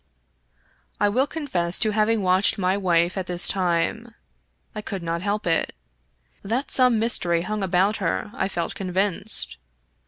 I will confess to having watched my wife at this time. I could not help it. That some mystery hung about her I felt convinced.